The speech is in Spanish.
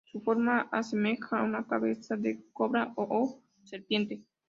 Su forma asemeja a una cabeza de cobra o serpiente.